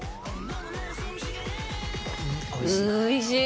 おいしい！